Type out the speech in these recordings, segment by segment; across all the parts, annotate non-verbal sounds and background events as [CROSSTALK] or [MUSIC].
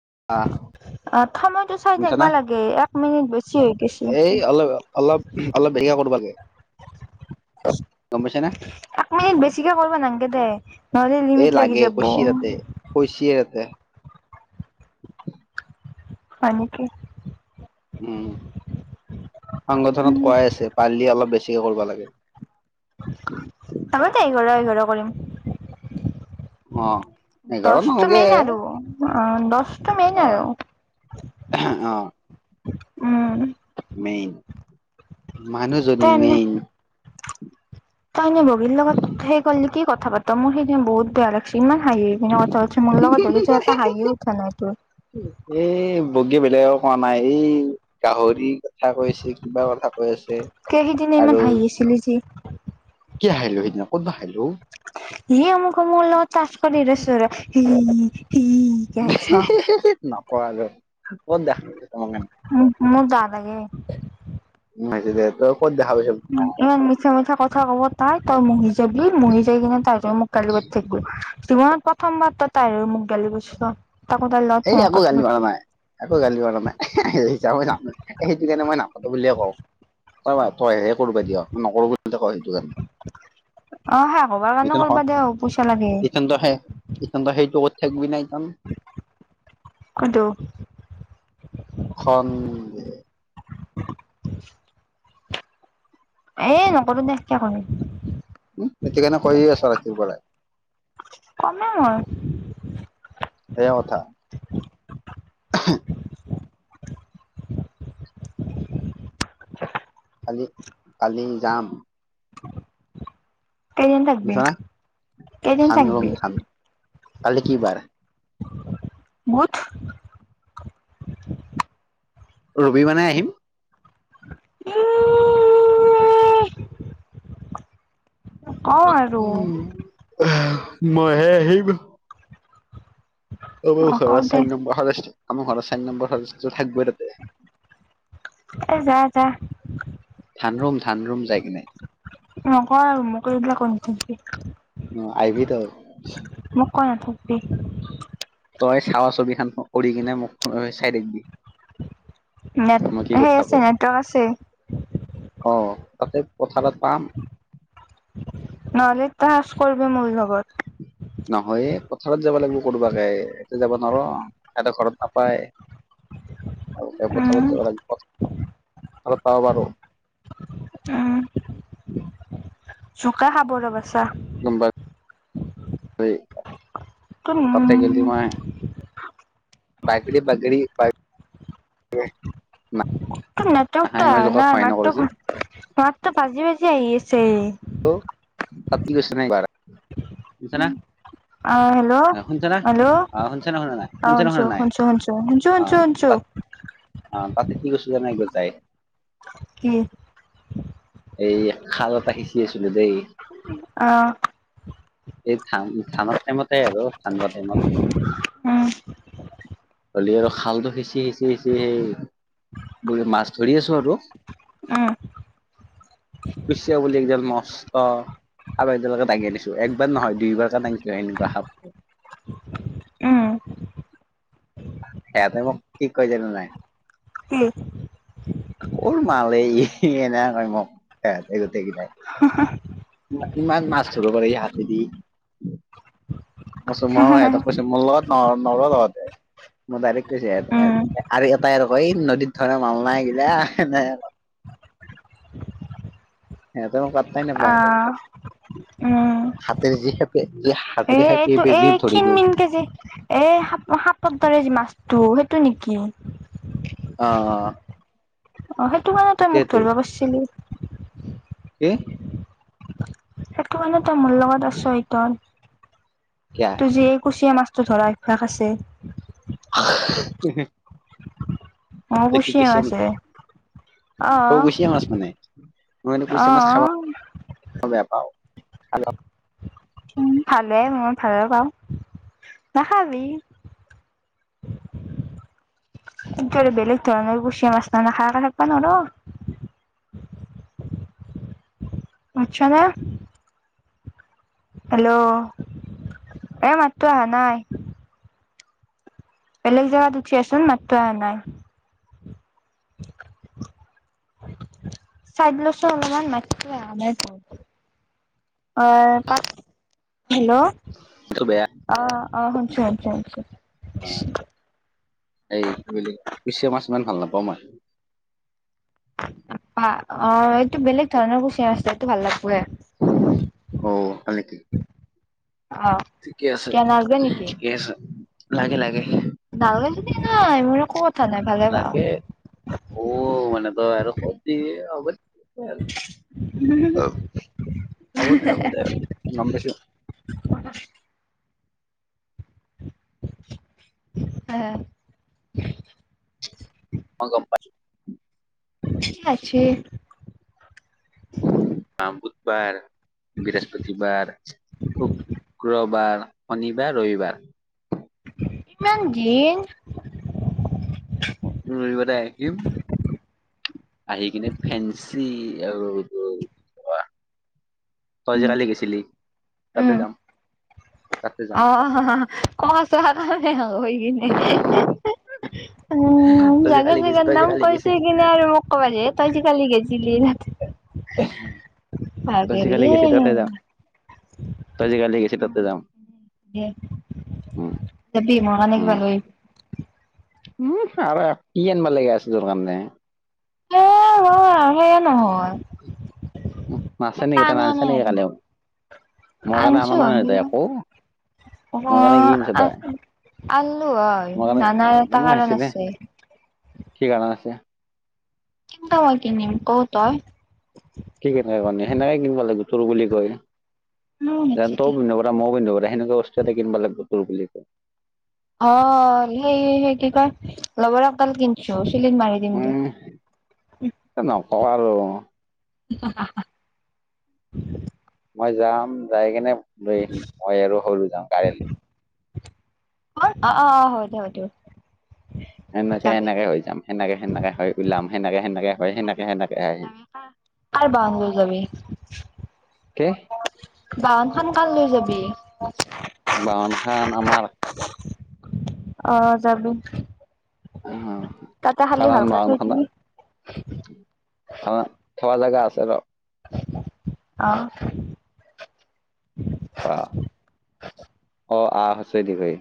[UNINTELLIGIBLE] অ' সময়টো চাই শুনিছা থাকিবা না লাগে এক মিনিট বেছি হৈ গৈছে। এই অলপ অলপ [UNINTELLIGIBLE] [UNINTELLIGIBLE] গম পাইছা না এক মিনিট বেছিকে কৰিব নালাগে দে নহলে এই লিমিট লাগি লাগে যাব। কৈছি তাতে [UNINTELLIGIBLE] হয় নেকি? উম, সংগঠনত উম কৰাই আছে পাৰিলি অলপ বেছিকে কৰিব লাগে। আগতে এঘৰ এঘৰ কৰিম। অ'। এঘাৰ দশটো মেইন আৰু অ' দশ হয় আহ। উম। মেইন মানুহজনী তই মেইন। তাইনে বগীৰ লগত সেই কৰলি কি কথা পাত মোৰ সেইদিনা বহুত বেয়া লাগিছি। ইমান হাঁহি কিনে কথা পাতিছ মূৰ লগত হ'লেতো এটা হাঁহিও উঠা নাই তোৰ। বেলেগও কোৱা নাই এই গাহৰি কথা কৈছে কিবা কথা কৈ আছে কে সিদিনা ইমান আৰু হাঁহি আছিলি যি কি হাহিঁলো সেইদিনা ক'ত বা হাহিঁলো অ'। [INAUDIBLE] কে হাঁহিছ নকওঁ আৰু যা ক'ত দেখলি উম, [UNINTELLIGIBLE] মোৰ দা লাগে। [UNINTELLIGIBLE] তোক ইমান মিছা মিছা ক'ত কথা ক'ব তাই তই মৰি যাবি। মহি যায় কিনে তাই মোক গালি পাৰি থাকিব। জীৱনত প্ৰথমবাৰ তাইৰ হৈ মোক গালি পাৰিছ। সেই একো গালি পৰা নাই একো গালি পৰা নাই। [UNINTELLIGIBLE] সেইটো কাৰণে মই নাপাতো বুলিয়ে কওঁ [UNINTELLIGIBLE] তই হে কৰিব দিয় নকৰো বুলি যে কওঁ সেইটো কাৰণে। অ সেয়া কবাৰ কাৰণে এতিয়া কৰবা নহয় দে পইচা লাগে এতিয়াটো সেই সেইটো ঠেক [UNINTELLIGIBLE] কোনটো? খন [INAUDIBLE] এ নকৰো দে কিয় কৰিম। উম, সেইতো কাৰণে কৈয়ে আছো ৰাতিৰ পৰাই। কমেই মই সেয়া কথা কালি কালি যাম। [INAUDIBLE] কেইদিন থাকবি বুজিছা না কেইদিন ধান ৰুম থাকবি? ধান কালি কি বাৰ মুঠ? ৰবি মানে আহিম। [INAUDIBLE] কওঁ আৰু উম, এহ মই হে আহিম। অ', কওঁ ঘৰত দে চাৰি নম্বৰ [UNINTELLIGIBLE] আমাৰ ঘৰত চাৰি নম্বৰ [UNINTELLIGIBLE] থাকবৈ লা এ যা যা। ধান ৰুম ধান ৰুম যায়। নকয়ও আৰু মোক এইবিলাক নাথাকিবি। অ', আহিবি তই। মোক কৈ নাথাকিবি তই চাৱা ছবিখনে উৰি কিনে মোক চাই থাকবি। নেট সেই আছে নেটৱৰ্ক আছে। অ', তাতে পথাৰত এটা পাম। নহ'লে তাচ কৰিব মোৰ লগত। [INAUDIBLE] নহয়ে পথাৰত যাব লাগিব কোনোবাকে এয়াতে যাব নোৱাৰ সিহঁততে ঘৰত নাপায়। অলপ টাইম কথা উম পাতি যাব লাগিব অলপ পাব পাৰো। উম, জোকা খাব ৰ'হ বাছা। হেই। তোৰ কতে উম গেলি মই। বাগৰি বাগৰি বা [UNINTELLIGIBLE] ত' নেটৱৰ্কতো অহা না মাততো যি মাততো ভাজি ভাজি আহি আছে। ত' [UNINTELLIGIBLE] এ অ হেল্ল' শুনছ নে হেল্ল' অ, শুনছ নে শুনা নাই অ শুনছ নে শুনছো শুনা নাই শুনছো শুনছো শুনছো শুনছো অ' শুনছো অ', তাতে কি [UNINTELLIGIBLE] এই গছ যায়। কি? এই খাল এটা সিঁচি আছিলোঁ দেই। অ এই ধান ধানৰ টাইমতে আৰু ধানদোৱা টাইমত। উম হলি আৰু খালটো সিঁচি সিঁচি সিঁচি সেই বোলে মাছ ধৰি আছোঁ আৰু উম খুচিয়াবলে এই যে মস্ত সাপ একডালকে দাঙি আনিছোঁ। একবাৰ নহয়, দুইবাৰকে দাঙিছো এনেকুৱা সাপ। উম। [UNINTELLIGIBLE] মোক কি কয় জানা নাই? কি? সৰু মাল হে ই। এনে কয় মোক সেহেতি গোটেই কেইটাই। [INAUDIBLE] ইমা ইমান মাছ ধৰো পাৰে ই হাতেদি। কৈছোঁ ময়ো সেহেতক কৈছোঁ মোৰ লগত নৰ নৰয় [UNINTELLIGIBLE] মই ডাইৰেক্ট কৈছে এটাই উম আৰু আৰু এটাই আৰু কয় এই নদীত ধৰা মাল নাই গিলা এনে কয়। [INAUDIBLE] তেওঁ মোক পাত্তাই অ নাপায়। উম হাতেৰে যি খেপে যি এ হাতেৰে সেপে এই এইটো বেজি ধৰি ক্ষীণ দিওঁ। মিনকে যে এ' সাপ সাপৰ দৰে যে মাছটো সেইটো নেকি? অ' অ'। অ', সেইটো কাৰণে তই মোক সেইটোৱেতো ধৰিব পাৰিছিলি। কি? সেইটো কাৰনে তই মোৰ লগত আছ ইতয়। কিয়া তোৰ যি এই কুচিয়াঁ মাছটো ধৰা অভ্যাস আছে। [UNINTELLIGIBLE] অ', তই কি কুচিয়াঁ কুচিয়া আছে। নেকি তই কুচিয়া মাছ মানে, মই এনে কুচিয়াঁ মাছ খাব অ', বেয়া পাওঁ। হেল্ল' ভালে। মই ভালৰ পাওঁ। নাখাবি। [UNINTELLIGIBLE] [UNINTELLIGIBLE] বেলেগ ধৰণৰ কুচিয়াঁ মাছ [UNINTELLIGIBLE] নোখোৱাকে থাকব নোৱাৰোঁ। আচ্ছা না হেল্ল' এই মাতটো অহা নাই। বেলেগ জেগাত উঠিয়াচোন মাতটো অহা নাই। আ [UNINTELLIGIBLE] অনুমান মাতটো অহা নাই [UNINTELLIGIBLE] অ', [UNINTELLIGIBLE] হেল্ল' বেয়া অ', অ'। [UNINTELLIGIBLE] অ', শুনছো এই কি বুলি কুচিয়াঁ মাছ ইমান ভাল নাপাওঁ মই। আ অ', এইটো বেলেগ ধৰণৰ কুচিয়াঁ মাছটো এইটো ভাল লাগে। অ হয় নেকি [UNINTELLIGIBLE] আ, ঠিকে কিয় [UNINTELLIGIBLE] লাগে লাগে। বাৰৈ লাগে। অ' মানে তই আৰু সুত দিবি, হব'তে। [UNINTELLIGIBLE] হব দে, হব দে গম পাইছোঁ। [UNINTELLIGIBLE] [UNINTELLIGIBLE] মই গম পাইছোঁ। ঠিক আছে। বৰ, বৃহস্পতিবাৰ, শুক্ৰবাৰ শনিবাৰ, ৰবিবাৰ। কিমান ঘিণ? ৰবিবাৰে আহিম আহি কিনে ফেঞ্চি [UNINTELLIGIBLE] তই যে উম কালি গৈছিলি, তাতে উম যাম। তাতে [UNINTELLIGIBLE] যাম উম, তই যে জাকে কালি গেছ জাগাত তই যে নাম কালি কৈছে গেছিলি। কিন্তু মোক কব দে, তই যে কালি গেইছিলি। তই যে কালি ভাগেৰে গেইছিলী তাতে যাম। কালি গৈছে তাতে যাম। দে। উম, যাবি মই কাৰণে উম, কিবা লৈ আহিবি। উম, আৰু কি আনিব লাগে আছে তোৰ কাৰনে? মোৰ মোৰ সেয়া নহয়। উম, মাছে নেকি ত' মানিছে নেকি কালি মোৰ কাৰণে অনা আনিছোঁ। নাই নহয় তই একো অ', মোৰ কাৰণে কি আনিছ আ তই আনিলোঁ হয়, মোৰ কাৰণে নানাৰ এটা উম, আহিছে কাৰণ দে আছে। কি কাৰণ আছে? কিন্তহে কিনিম ক' তই? কি কথা কওঁ কাৰে, সেনেকে কিনিব লাগে তোৰ বুলি কয়। উম, চিটি জয়ন্তও পিন্ধিব পৰা মইও পিন্ধিব পৰা সেনেকুৱা বস্তু এটা কিনিব লাগিব তোৰ বুলি কৈ। অ' সেই সেই কি কয়, লবৰগ কাল কিনিছো। ফিলিং মাৰি দিম গে। এ, নকৰোঁ আৰু। [INAUDIBLE] মই যাম যাই কেনে লৈ আহিম। মই আৰু সৰু যাওঁ কাইলে। মৰ, অ', অ', অ' হব দে। এনেকে এনেকে হৈ যাম, সেনেকে সেনেকে হয় ওলাম, সেনেকে সেনেকে হৈ সেনেকে সেনেকে আহি হেনেকা, কাৰ বাহুৰজনী কে বাহনখন কাৰ লৈ যাবি? বাহনখন আমাৰ। অ' যাবি। উম। তাতে খালি কাৰ ভালকে থৈ মাৰখান, দিবি থোৱা জাগা আছে। ৰ অ'। অ'। অ, আ, হশ্বৈ, দিৰগৈ।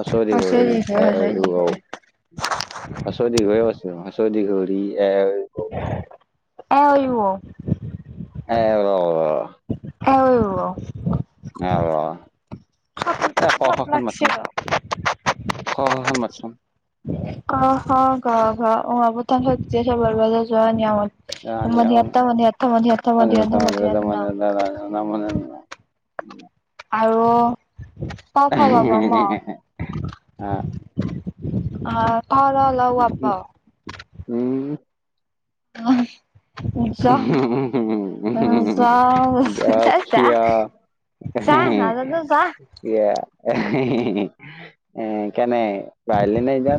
হচৌ, দিৰগৌ, হৈছে ৰি, দিছে এ, হৈছে অই, ও, দিছে। ঔ। হচৌ, দিৰগৌ আছে। হচৌ দিৰগৌ ৰি, এ আয়ুও। [UNINTELLIGIBLE] [UNINTELLIGIBLE] আৰু আৰু। এই ক, চব খখন লাগছে মাতচুন। ৰ। খ, খখন মাতচুন। ক, খ, গ, ঘ, ঙ, চ, ছ, জ, ঞ মধিয়ান্ত [INAUDIBLE] মধিয়ান্ন [INAUDIBLE] আৰু পফা পাব ম [INAUDIBLE] আহ, উম, উম, উম। অ'। জ, উ, জা জা, নাজানো জা, জা। এ, কেনে পাহিৰলি না, এতিয়া।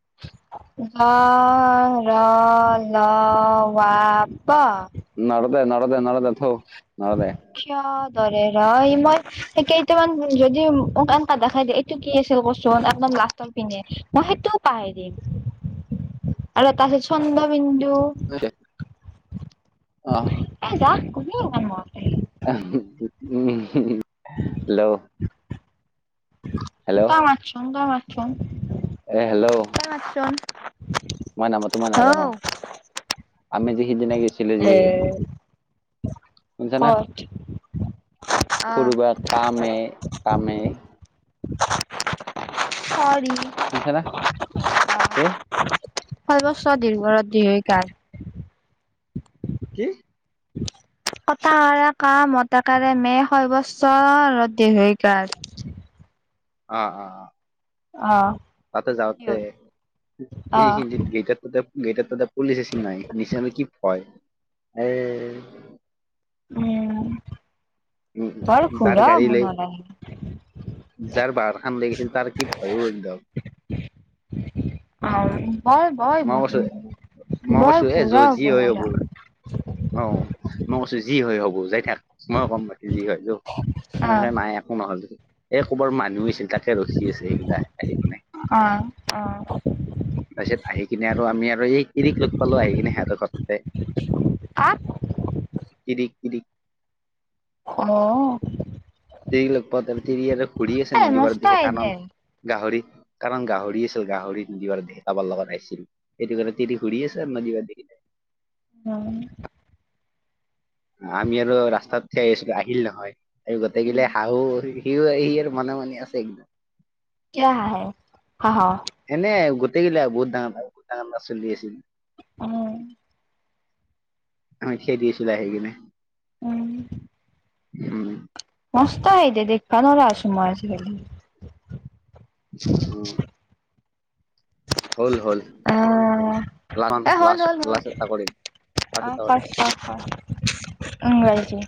[INAUDIBLE] নডদে, নদে, নডদে খিয় দৰে, ৰ, মই, সেই কেইটামান যদিান ক, দেখাই দিয়, এইটো কি আছিল কচোন আপ লাষ্টৰ পিন্ধে মই সেইটোও পাহে দিম। আৰু তাৰত চন্ধ বিন্দু। [INAUDIBLE] এ, যা কুনে ইমান মনত ৰাখে। [UNINTELLIGIBLE] হ্ল'? তই মাতচোন, তই মাতচোন। এ, হেল্ল'? তই মাতচোন মই নাপাতো, মই হৌ নাজানো তোমাৰ নাজানো, আমি যি সিদিনা গৈছো। চিলোজি ক'ত? অ সৰুবা কামে, কামে হয়। শুনিছা না [UNINTELLIGIBLE] কি সৰ্ব্বোচ বছৰ দীৰ্ঘ ৰাতি এই কাল। কি? কটা, কা, মতকাৰে মে, শয় বছৰ ৰ, দীঘৰি কাৰ। অ', অ', অ'। অ'। তাতে কি যাওঁতে, অ', এইখিনিত গেইটাৰতে, গেইটাৰ ততে পুলিচে আহিছিল নহই, নিচা বিকি ভয়, এ উম উম, যাৰ গাড়ী লৈ [UNINTELLIGIBLE] যাৰ বাৰ খণ লৈ গৈছিল তাৰ কি ভয়ো এক দম। হায় মই কৈছো [INAUDIBLE] মই কৈছো এ, যত যি হৈ হব, অ', মই কৈছো যি হৈ হ'ব। যাই থাক মই [UNINTELLIGIBLE] যি হয়। সেনেকে অ'। নাই, একো নহল দে, এই কবাৰ মানুহ আছিল, তাকে ৰখি আছিল, সেইগিলা আহে কিনে। অ', অ'। তাৰ পিছত আহি কিনে আৰু, আমি আৰু এই ইৰিক লগ পালো আহি কিনে, সিহঁত ঘৰতে। কাক কিদি, কিদি খু'ন তিৰি লগ, প, তিৰি আৰু ঘূৰি আছে, এই নদী পাৰত মস্ত দিখি এই যে। কানত গাহৰি কাৰণ গাহৰি আছিল, গাহৰি [UNINTELLIGIBLE] দে কাবাৰ লগত আহিছিল, সেইটো কাৰণে তিৰি ঘুৰি আছে আৰু নদী পাৰ দি। [UNINTELLIGIBLE] উম। আমি আৰু ৰাস্তাত সেই আহিল নহয় আৰু গোটেইকিললে হাঁহো, সি আহি মনে মনে আছে একদম। কিয় হাঁহে হাঁহ। দেখিলে বহুত [UNINTELLIGIBLE] চলি আছিল। উম, [UNINTELLIGIBLE] দিছিলে আহি কিনে। উম, উম, মস্ত হৈ দে দেখবা নৰা হৈছোঁ আজিকালি। [UNINTELLIGIBLE] হল, হল অ', এ হ'ল হ'ল হ'ল। [UNINTELLIGIBLE] এটা কৰিম। লাষ্ট এটা কৰিম [UNINTELLIGIBLE]